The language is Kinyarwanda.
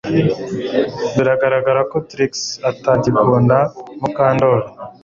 Biragaragara ko Trix atagikunda Mukandoli